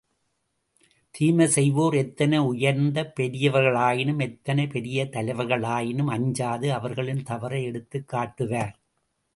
தீமை செய்வோர் எத்தனை உயர்ந்த பெரியவர்களாயினும், எத்தனை பெரிய தலைவர்களாயினும், அஞ்சாது, அவர்களின் தவறை எடுத்துக் காட்டுவார்.